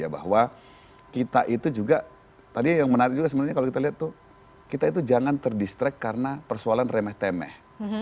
bahwa kita itu juga tadi yang menarik juga sebenarnya kalau kita lihat tuh kita itu jangan terdistract karena persoalan remeh temeh